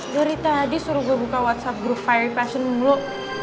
dari tadi suruh gue buka whatsapp grup fiery fashion lo